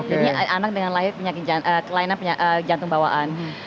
anak dengan lahir kelainan jantung bawaan